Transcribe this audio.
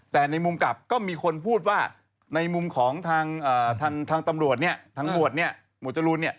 แต่ในมุมกลับก็มีคนพูดว่าในมุมของทางตำรวจหมวดอุณหลุด